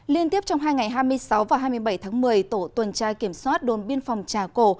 liên tiếp trong hai ngày hai mươi sáu và hai mươi bảy tháng một mươi tổ tuần tra kiểm soát đồn biên phòng trà cổ